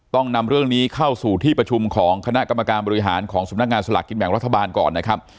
ต้องนำเรื่องนี้เข้าสู่ที่ประชุมของคณะกรรมการบริหารของสำนักงานสลากกินแบ่งรัฐบาลก่อนนะครับ